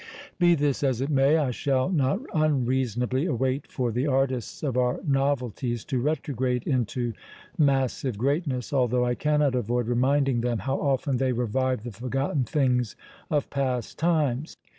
Be this as it may! I shall not unreasonably await for the artists of our novelties to retrograde into massive greatness, although I cannot avoid reminding them how often they revive the forgotten things of past times!